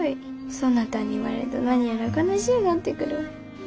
そなたに言われると何やら悲しうなってくるわ。